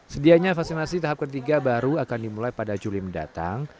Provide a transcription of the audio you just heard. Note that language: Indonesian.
sedianya vaksinasi tahap ketiga baru akan dimulai pada juli mendatang